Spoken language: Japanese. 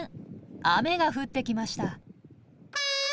雨が降ってきました。